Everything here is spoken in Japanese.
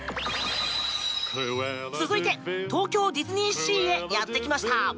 続いて、東京ディズニーシーへやってきました。